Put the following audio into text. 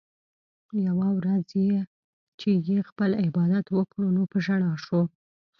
يوه ورځ چې ئې خپل عبادت وکړو نو پۀ ژړا شو